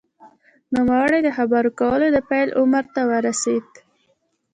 نوموړی د خبرو کولو د پیل عمر ته ورسېد